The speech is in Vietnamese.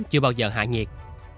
chưa bao giờ hạ nhiệt